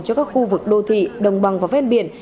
cho các khu vực đô thị đồng bằng và ven biển